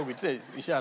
石原